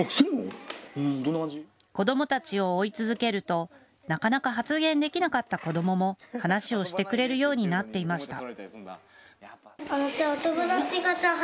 子どもたちを追い続けるとなかなか発言できなかった子どもも話をしてくれるようになっていました。